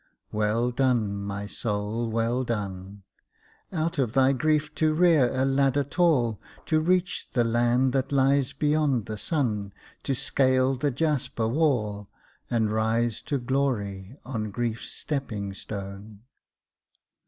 Well done, my soul, well done, Out of thy grief to rear a ladder tall To reach the land that lies beyond the sun, To scale the jasper wall, And rise to glory on grief's stepping stone.